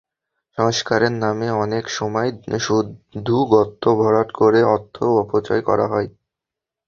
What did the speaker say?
সংস্কারের নামে অনেক সময় শুধু গর্ত ভরাট করে অর্থ অপচয় করা হয়।